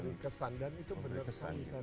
memberi kesan dan itu benar benar bisa ditambah